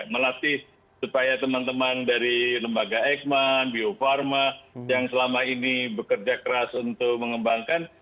melatih supaya teman teman dari lembaga eijkman bio farma yang selama ini bekerja keras untuk mengembangkan